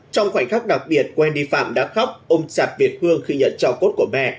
trong khoảnh khắc đặc biệt wendy phạm đã khóc ôm chặt việt hương khi nhận cho cốt của mẹ